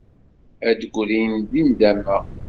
Ad d-grin deg nndama.